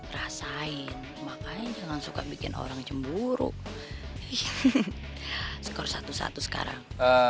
rasain makanya jangan suka bikin orang cemburuk skor satu satu sekarang